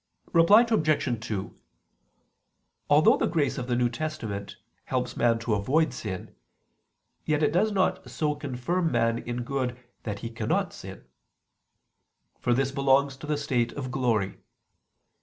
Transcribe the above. Reply Obj. 2: Although the grace of the New Testament helps man to avoid sin, yet it does not so confirm man in good that he cannot sin: for this belongs to the state of glory.